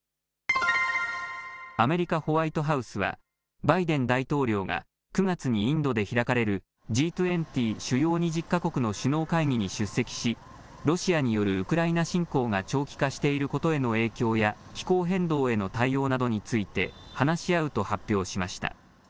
アメリカ・ホワイトハウスはバイデン大統領が９月にインドで開かれるＧ２０・主要２０か国の首脳会議に出席し、ロシアによるウクライナ侵攻が長期化していることへの影響や気候変動への対応などについて話し合うと発表しました。